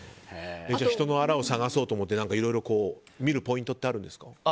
人のあらを探そうと思っていろいろ見るポイントってあるんですか？